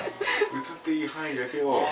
映っていい範囲だけを。